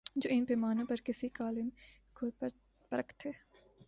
جو ان پیمانوں پر کسی کالم کو پرکھتے